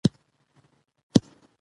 تل دې وي زموږ مېړنی ولس.